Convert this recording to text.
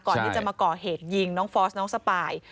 ก่อนที่จะมาก่อเหตุยิงน้องฟอสน้องสปาย